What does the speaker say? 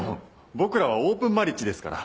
僕らはオープンマリッジですから。